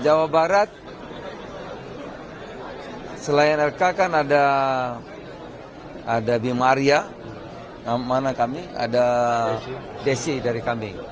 jawa barat selain rk kan ada bimaria ada desi dari kami